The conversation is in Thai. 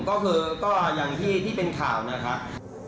ก็คือก็อย่างที่เป็นข่าวนะครับ